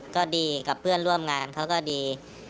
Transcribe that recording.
ก็ดีกับเพื่อนร่วมงานเขาก็ดี